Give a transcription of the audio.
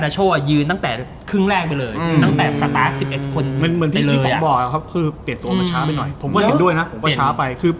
แต่สังเกตตอนที่พอเอากาโนโชนิเซโรลงมาใช่ไหมครับ